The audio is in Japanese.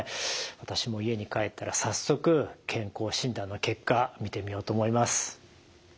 私も家に帰ったら早速健康診断の結果見てみようと思います。